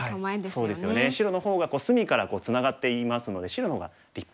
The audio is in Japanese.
そうですよね白の方が隅からツナがっていますので白の方が立派なんですよ。